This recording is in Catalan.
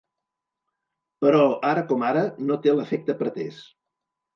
Però, ara com ara, no té l’efecte pretès.